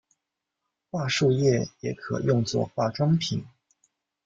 桦树液也可用做化妆品。